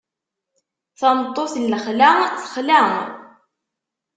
Tameṭṭut n lexla texla.